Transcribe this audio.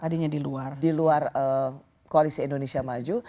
tadinya di luar koalisi indonesia maju